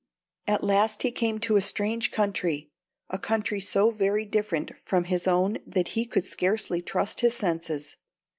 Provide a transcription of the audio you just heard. At last he came to a strange country, a country so very different from his own that he could scarcely trust his senses.